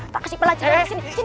tak kasih pelajaran disini